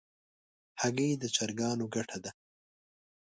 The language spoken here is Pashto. هګۍ د چرګانو ګټه ده.